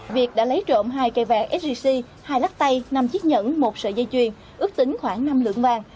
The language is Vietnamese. việt đã lấy trộm hai cây vàng sgc hai lắc tay năm chiếc nhẫn một sợi dây chuyền ước tính khoảng năm lượng vàng